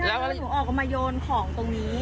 แล้วหนูออกมาโยนของตรงนี้